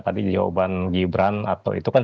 tadi jawaban gibran atau itu kan